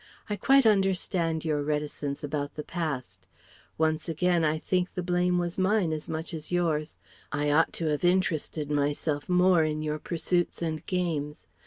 I quite understand your reticence about the past. Once again I think the blame was mine as much as yours. I ought to have interested myself more in your pursuits and games